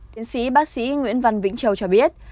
tiến sĩ bác sĩ nguyễn văn vĩnh châu cho biết